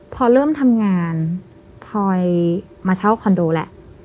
พอเริ่มทำงานพลอยมาเช่าคอนโดแหละ